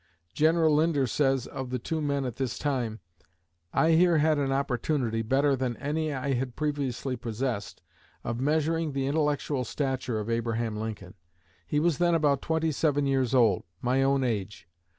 General Linder says of the two men at this time: "I here had an opportunity, better than any I had previously possessed, of measuring the intellectual stature of Abraham Lincoln. He was then about twenty seven years old my own age.